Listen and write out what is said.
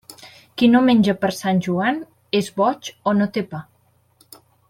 Qui no menja per Sant Joan, és boig o no té pa.